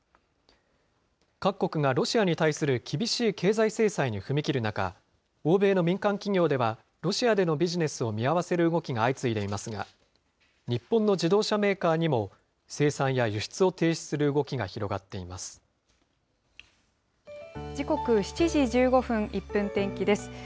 各国がロシアに対する厳しい経済制裁に踏み切る中、欧米の民間企業では、ロシアでのビジネスを見合わせる動きが相次いでいますが、日本の自動車メーカーにも、生産や輸出を停止する動きが広がって時刻、７時１５分、１分天気です。